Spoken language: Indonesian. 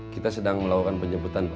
kita sedang melakukan penyebutan